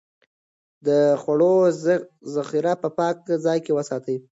د خوړو ذخيره په پاک ځای کې وساتئ.